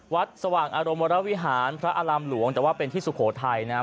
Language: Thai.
สว่างอารมณ์วรวิหารพระอารามหลวงแต่ว่าเป็นที่สุโขทัยนะครับ